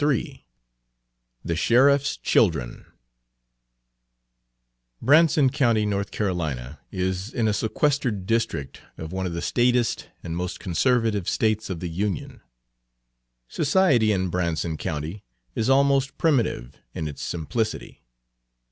Page 60 THE SHERIFF'S CHILDREN BRANSON COUNTY, North Carolina, is in a sequestered district of one of the staidest and most conservative States of the Union. Society in Branson County is almost primitive in its simplicity.